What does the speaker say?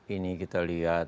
ini kita lihat